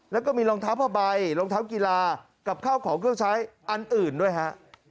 แล้วก็มีรองเท้าผ้าใบรองเท้ากีฬากับข้าวของเครื่องใช้อันอื่นด้วยฮะ